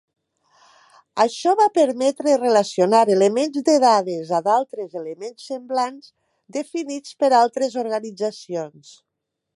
Això va permetre relacionar elements de dades a d'altres elements semblants definits per altres organitzacions.